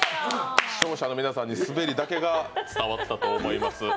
視聴者の皆さんにスベリだけが伝わったと思います。